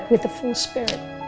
kembali dengan semangat penuh